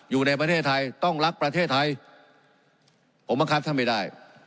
อยู่ในประเทศไทยต้องรักประเทศไทยผมบังคับท่านไม่ได้